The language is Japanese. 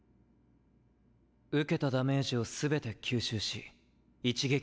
受けたダメージを全て吸収し一撃で返す。